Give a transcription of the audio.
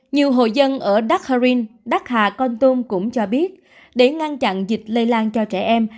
nhiều hội dân ở đắc hà rin đắc hà con tum cũng cho biết để ngăn chặn dịch lây lan cho trẻ em